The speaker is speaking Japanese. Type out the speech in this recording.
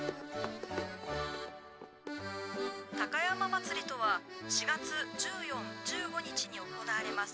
「高山祭とは４月１４１５日に行われます